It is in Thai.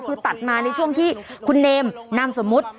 คือตัดมาในช่วงที่คุณเนมนามสมมุติ